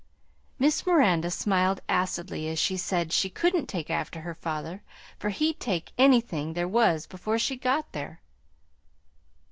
Miss Miranda smiled acidly as she said she couldn't take after her father, for he'd take any thing there was before she got there!